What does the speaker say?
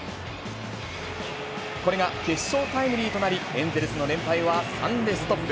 これが決勝タイムリーとなり、エンゼルスの連敗は３でストップ。